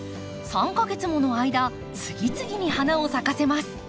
３か月もの間次々に花を咲かせます。